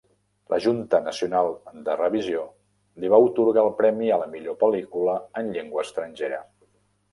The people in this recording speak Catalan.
La Junta Nacional de Revisió li va atorgar el premi a la millor pel·lícula en llengua estrangera.